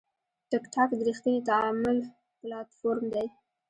ټکټاک د ریښتیني تعامل پلاتفورم دی.